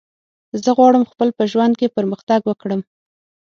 زه غواړم خپل په ژوند کی پرمختګ وکړم